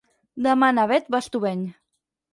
Demà na Beth va a Estubeny.